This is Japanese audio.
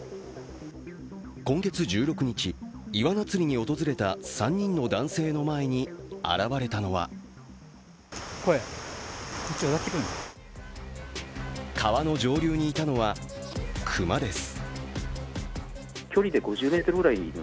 今月１６日、いわな釣りに訪れた３人の男性の前に現れたのは川の上流にいたのは熊です。